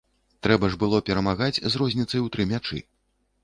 Трэба ж было перамагаць з розніцай у тры мячы.